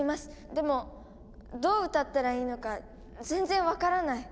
でもどう歌ったらいいのか全然分からない。